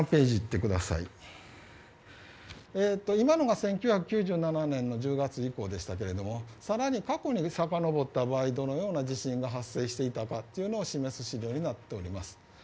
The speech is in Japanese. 今のが１９９７年の１０月以降でしたが更に過去にさかのぼった場合どのような地震が発生していたかというのを示す資料になっています。